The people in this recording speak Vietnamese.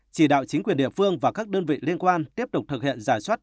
chỉ đạo chính quyền địa phương và các đơn vị liên quan tiếp tục thực hiện giả soát